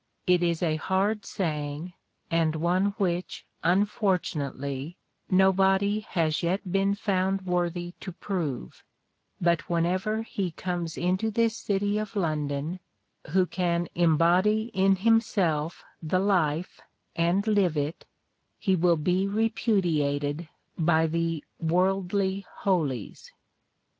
It is a hard saying, and one which, unfortunately, nobody has yet been found worthy to prove; but whenever he comes into this city of London, who can embody in himself the life and live it, he will be repudiated by the "worldly holies."